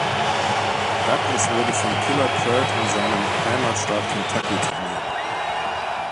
Douglas wurde von Killer Kurt in seinem Heimatstaat Kentucky trainiert.